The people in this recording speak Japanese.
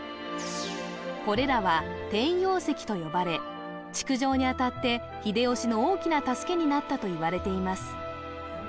これらは転用石と呼ばれ築城にあたって秀吉の大きな助けになったといわれています